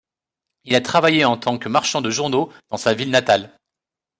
Il a travaillé en tant que marchand de journaux dans sa ville natale.